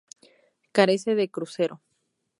Carece de crucero.